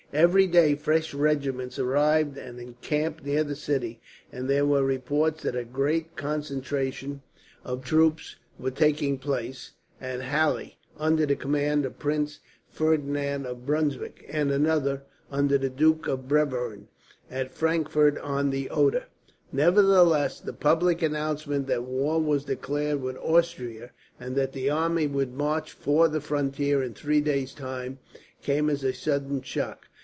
Every day fresh regiments arrived and encamped near the city; and there were reports that a great concentration of troops was taking place, at Halle, under the command of Prince Ferdinand of Brunswick; and another, under the Duke of Bevern, at Frankfort on the Oder. Nevertheless, the public announcement that war was declared with Austria, and that the army would march for the frontier, in three days' time, came as a sudden shock.